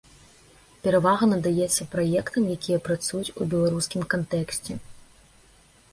Перавага надаецца праектам, якія працуюць у беларускім кантэксце.